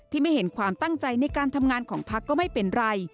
ไม่เห็นความตั้งใจในการทำงานของพักก็ไม่เป็นไร